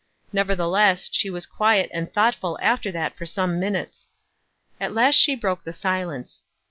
Nevertheless she was q'liet and thoughtful after that for some minutes. At last she broke the silence.